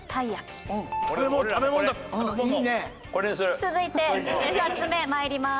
続いて２つ目参ります。